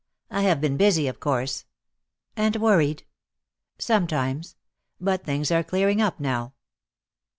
"I have been busy, of course." "And worried?" "Sometimes. But things are clearing up now."